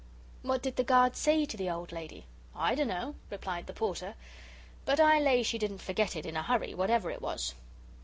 "What did the guard say to the old lady?" "I dunno," replied the Porter, "but I lay she didn't forget it in a hurry, whatever it was."